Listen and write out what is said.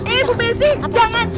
eh bu besi jangan